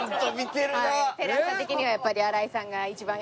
テレ朝的にはやっぱり新井さんが一番。